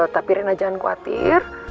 tapi rena jangan khawatir